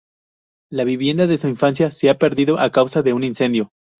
La vivienda de su infancia se ha perdido a causa de un incendio.